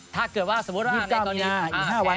ถ้าเกิดว่าสมมติว่าในตอนนี้